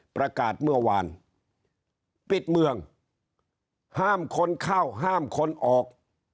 ประกาศเมื่อวานปิดเมืองห้ามคนเข้าห้ามคนออก